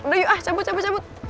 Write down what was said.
udah yuk ah cabut cabut cabut